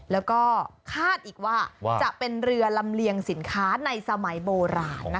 แล้วก็คาดอีกว่าจะเป็นเรือลำเลียงสินค้าในสมัยโบราณ